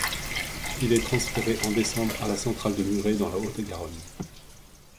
Il est transféré en décembre à la centrale de Muret dans la Haute-Garonne.